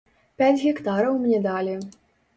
Пяць гектараў мне далі.